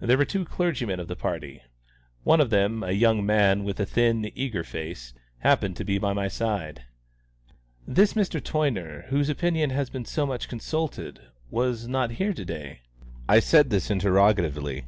There were two clergymen of the party. One of them, a young man with thin, eager face, happened to be at my side. "This Mr. Toyner, whose opinion has been so much consulted, was not here to day?" I said this interrogatively.